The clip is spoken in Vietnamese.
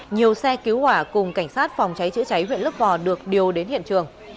nhiều xe cứu hỏa cùng cảnh sát phòng cháy chữa cháy huyện lấp vò được điều đến hiện trường